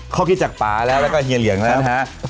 ข้อกี้จากป๊าแล้วก็เฮียเหลียงแล้วนะครับ